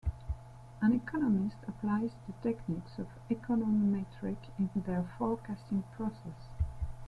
An economist applies the techniques of econometrics in their forecasting process.